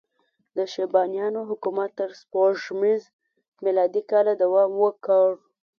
د شیبانیانو حکومت تر سپوږمیز میلادي کاله دوام وکړ.